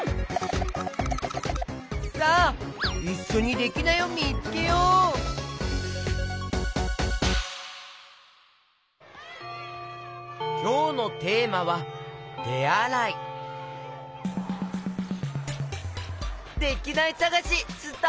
さあいっしょにきょうのテーマは「てあらい」できないさがしスタート！